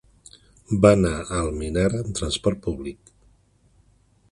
Va anar a Almenara amb transport públic.